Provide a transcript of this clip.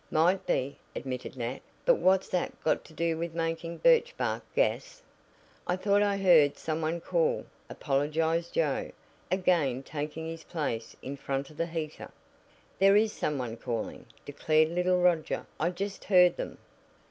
"Might be," admitted Nat, "but what's that got to do with making birchbark gas?" "I thought I heard some one call," apologized Joe, again taking his place in front of the heater. "There is some one calling," declared little Roger. "I just heard them."